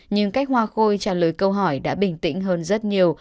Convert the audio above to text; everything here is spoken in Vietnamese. nhưng cách hoa khôi trả lời câu hỏi đã bình tĩnh hơn rất nhiều